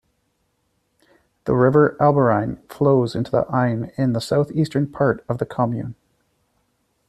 The river Albarine flows into the Ain in the southeastern part of the commune.